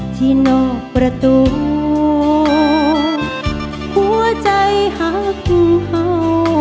ที่นอกประตูหัวใจหักเห่า